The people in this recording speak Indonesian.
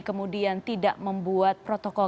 kemudian tidak membuat protokol